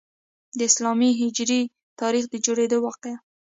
د اسلامي هجري تاریخ د جوړیدو واقعه.